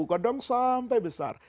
kedengar sampai besar